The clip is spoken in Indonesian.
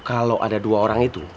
kalau ada dua orang itu